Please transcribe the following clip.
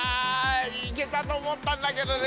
いけたと思ったんだけどね。